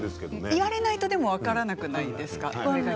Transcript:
言われないと分からないですか？